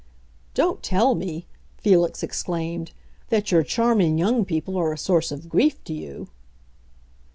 "Don't tell me," Felix exclaimed, "that your charming young people are a source of grief to you!"